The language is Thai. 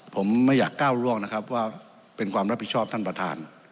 ผมไม่อยากก้าวล่วงนะครับว่าเป็นความรับผิดชอบท่านประธาน